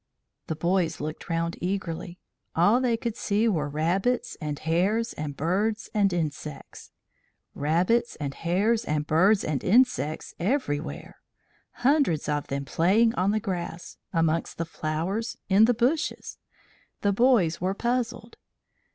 The boys looked round eagerly. All they could see were rabbits and hares and birds and insects rabbits and hares and birds and insects everywhere hundreds of them playing on the grass, amongst the flowers, in the bushes. The boys were puzzled.